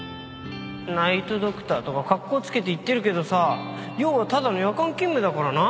ナイト・ドクターとかカッコつけて言ってるけどさ要はただの夜間勤務だからな